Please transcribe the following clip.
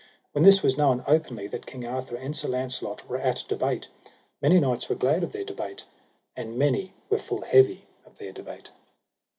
When this was known openly, that King Arthur and Sir Launcelot were at debate, many knights were glad of their debate, and many were full heavy of their debate.